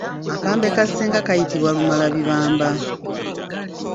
Akambe ka ssenga kayitibwa Lumalabibamba.